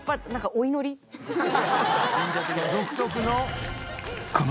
独特の？